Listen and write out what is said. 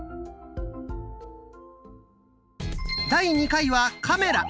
第２回はカメラ。